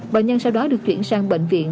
bệnh nhân sau đó được chuyển sang bệnh viện